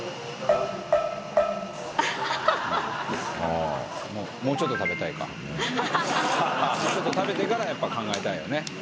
うんはいもうちょっと食べたいかもうちょっと食べてからやっぱ考えたいよね